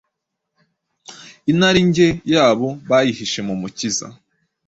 Inarinjye yabo bayihishe mu Mukiza,